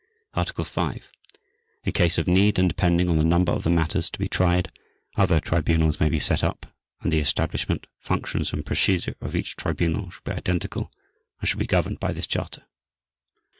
Article 5. In case of need and depending on the number of the matters to be tried, other Tribunals may be set up; and the establishment, functions, and procedure of each Tribunal shall be identical, and shall be governed by this Charter.